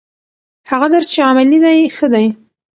هغه درس چې عملي دی ښه دی.